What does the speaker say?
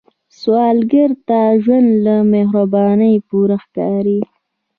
سوالګر ته ژوند له مهربانۍ پوره ښکاري